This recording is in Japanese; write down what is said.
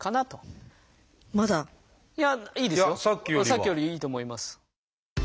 さっきよりいいと思います。